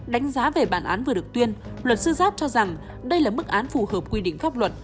đánh giá về bản án vừa được tuyên luật sư giáp cho rằng đây là mức án phù hợp quy định pháp luật